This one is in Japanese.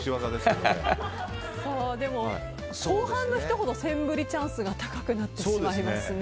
でも後半の人ほどセンブリチャンスが高くなってしまいますね。